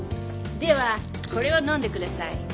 ではこれを飲んでください。